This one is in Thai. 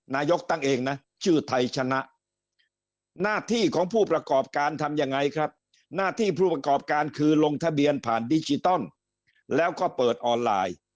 นายกตั้งเองนะชื่อไทยชนะหน้าที่ของผู้ประกอบการทำยังไงครับหน้าที่ผู้ประกอบการคือลงทะเบียนผ่านดิจิตอลแล้วก็เปิดออนไลน์